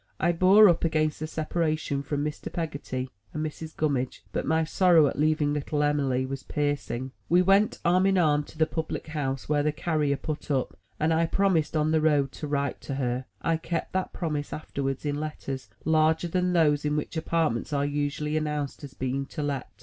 I bore up against the separation from Mr. Peggotty and Mrs. Gummidge, but my sorrow at leaving httle Em'ly was piercing. We went arm in arm to the public house where the carrier put up, and I prom ised, on the road, to write to her. (I kept that promise after wards in letters larger than those in which apartments are usually announced as being to let.)